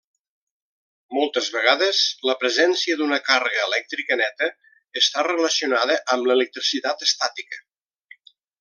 Moltes vegades la presència d'una càrrega elèctrica neta està relacionada amb l'electricitat estàtica.